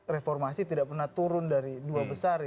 reformasi tidak pernah turun dari dua besar